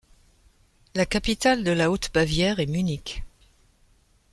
La capitale de la Haute-Bavière est Munich.